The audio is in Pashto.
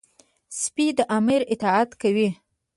سپي د امر اطاعت کوي.